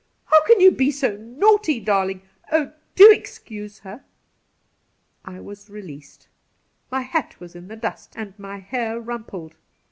how can you be so naughty, darling ? Oh, do excuse her !' I was released. My hat was in the dust and my hair rumpled.